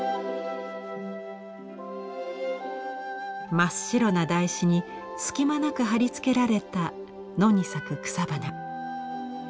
真っ白な台紙に隙間なく貼り付けられた野に咲く草花。